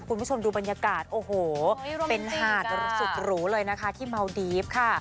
คุณผู้ชมดูบรรยากาศโอ้โหเป็นหาดสุดหรูเลยนะคะที่เมาดีฟค่ะ